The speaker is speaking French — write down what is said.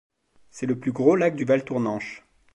C'est le plus gros lac du Valtournenche.